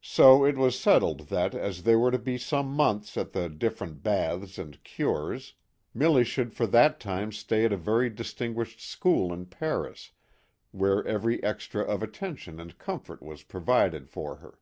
ft So it was settled that as they were to be some months at the different baths and " cures," no "MISSMILLY." Milly should for that time stay at a very dis tinguished school in Paris where every extra of attention and comfort was provided for her.